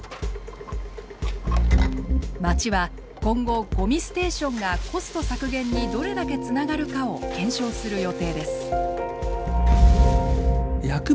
まちは今後ごみステーションがコスト削減にどれだけつながるかを検証する予定です。